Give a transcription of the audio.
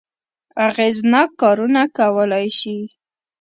اغېزناک کارونه کولای شي.